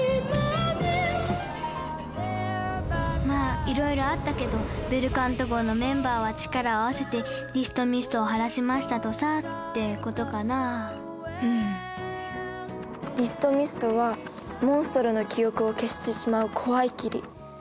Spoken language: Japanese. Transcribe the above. まぁいろいろあったけどベルカント号のメンバーは力を合わせてディストミストを晴らしましたとさってことかなぁうんディストミストはモンストロの記憶を消してしまう怖い霧。